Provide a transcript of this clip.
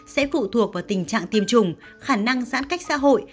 sẽ phụ thuộc vào tình trạng tiêm chủng khả năng giãn cách xã hội